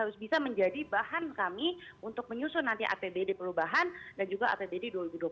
harus bisa menjadi bahan kami untuk menyusun nanti apbd perubahan dan juga apbd dua ribu dua puluh